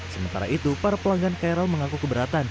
sementara itu para pelanggan krl mengaku keberatan